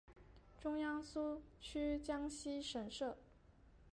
中央苏区江西省设。